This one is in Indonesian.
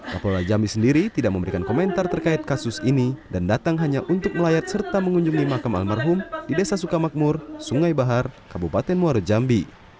kapolda jambi sendiri tidak memberikan komentar terkait kasus ini dan datang hanya untuk melayat serta mengunjungi makam almarhum di desa sukamakmur sungai bahar kabupaten muarajambi